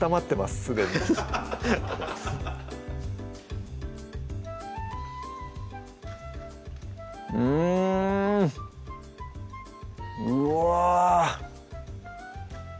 すでにうんうわ